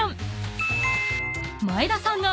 ［前田さんが］